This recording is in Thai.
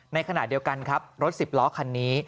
ในขณะเดียวกันครับรถสิบล้อคันนี้